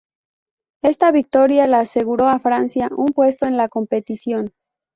Ésta victoria le aseguró a Francia un puesto en la competición.